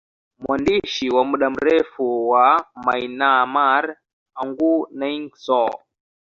mwandishi wa muda mrefu wa Myanmar Aung Naing Soe